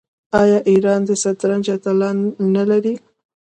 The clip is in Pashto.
آیا ایران د شطرنج اتلان نلري؟